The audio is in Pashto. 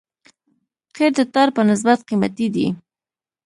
قیر د ټار په نسبت قیمتي دی